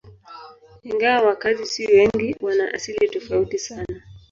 Ingawa wakazi si wengi, wana asili tofauti sana.